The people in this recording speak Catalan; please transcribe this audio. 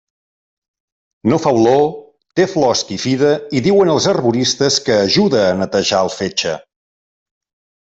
No fa olor, té flor esquifida i diuen els herboristes que ajuda a netejar el fetge.